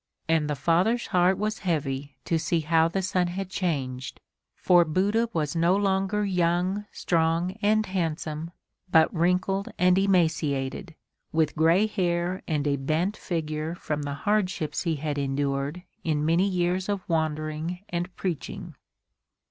And the father's heart was heavy to see how the son had changed, for Buddha was no longer young, strong and handsome, but wrinkled and emaciated, with gray hair and a bent figure from the hardships he had endured in many years of wandering and preaching.